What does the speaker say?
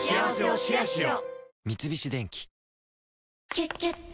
「キュキュット」